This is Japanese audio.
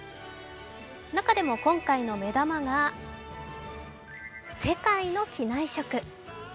中でも今回の目玉が世界の機内食。